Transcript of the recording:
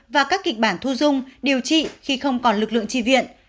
và các kịch bản thu dung điều trị khi không còn lực lượng tri viện